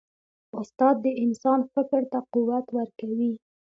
استاد د انسان فکر ته قوت ورکوي.